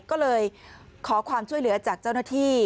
ก็เลยขอความช่วยเหลือจากเจ้าหน้าที่